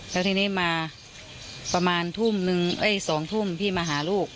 แล้วทีนี้มาประมาณทุ่มนึง๒ทุ่มพี่มาหาลูก